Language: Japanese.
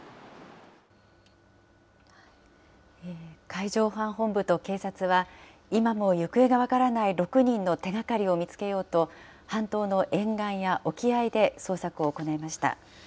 海上保安本部と警察は、今も行方が分からない６人の手がかりを見つけようと、半島の沿岸や沖合で捜索を行いました。